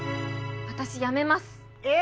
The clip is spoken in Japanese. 私辞めますえっ！